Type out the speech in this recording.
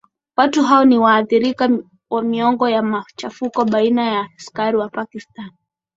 watu hao ni waathirika wamiongo ya machafuko baina ya askari wa pakistan